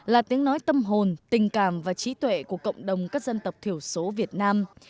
là tiếng nói tâm hồn tình cảm và trí tuệ của cộng đồng các dân tộc thiểu số việt nam